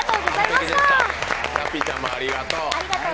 ラッピーちゃんもありがとう。